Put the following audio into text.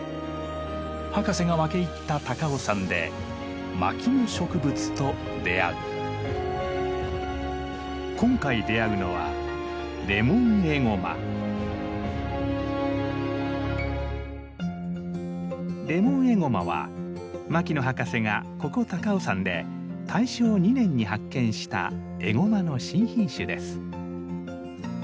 博士が分け入った高尾山で今回出会うのはレモンエゴマは牧野博士がここ高尾山で大正２年に発見したエゴマの新品種です。